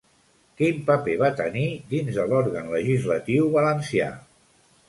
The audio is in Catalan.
Quin paper va tenir dins de l'òrgan legislatiu valencià?